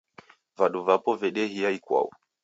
Vadu vapo vedehia ikwau.